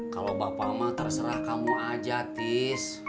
kalau bapak mah terserah kamu aja tis